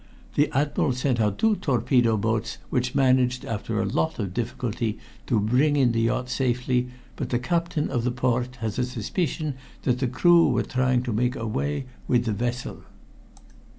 The Admiral sent out two torpedo boats, which managed after a lot of difficulty to bring in the yacht safely, but the Captain of the Port has a suspicion that the crew were trying to make away with the vessel."